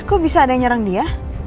kok bisa ada yang nyerang dia